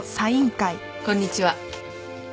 こんにちは。